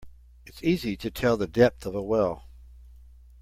It's easy to tell the depth of a well.